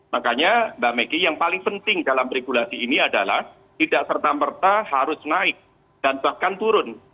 makanya mbak megi yang paling penting dalam regulasi ini adalah tidak serta merta harus naik dan bahkan turun